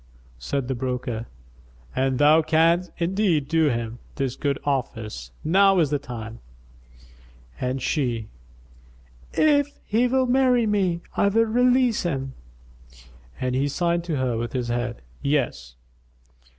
Said the broker, "An thou canst indeed do him this good office, now is the time," and she, "If he will marry me, I will release him." And he signed to her with his head, "Yes."